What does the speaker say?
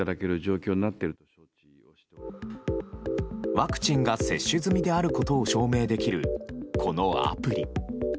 ワクチンが接種済みであることを証明できるこのアプリ。